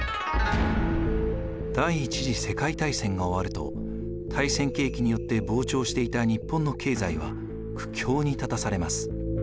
第一次世界大戦が終わると大戦景気によって膨張していた日本の経済は苦境に立たされます。